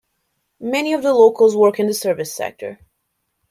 Many of the locals work in the service sector.